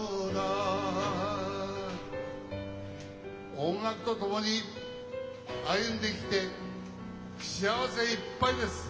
音楽とともに歩んできて幸せいっぱいです。